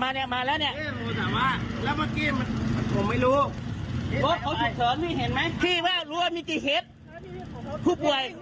แบบทำให้กู้พาย